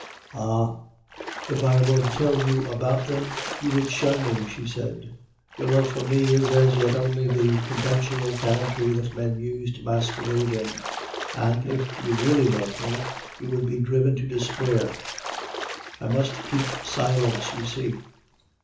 "Ah! if I were to tell you about them, you would shun me," she said. "Your love for me is as yet only the conventional gallantry that men use to masquerade in; and, if you really loved me, you would be driven to despair. I must keep silence, you see.